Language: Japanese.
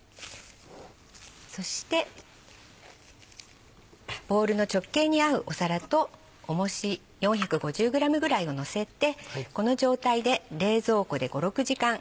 そしてボウルの直径に合う皿と重石４５０ｇぐらいをのせて。